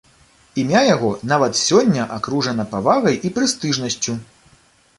Імя яго нават сёння акружана павагай і прэстыжнасцю.